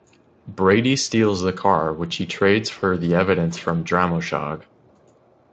Brady steals the car, which he trades for the evidence from Dramoshag.